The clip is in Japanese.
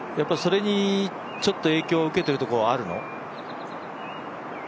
それにちょっと影響を受けているところあるの？